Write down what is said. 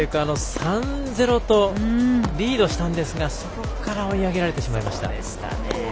３−０とリードしたんですがそこから追い上げられてしまいました。